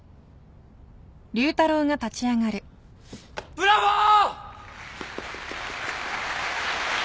ブラボー！